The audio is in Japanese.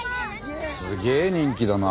すげえ人気だな。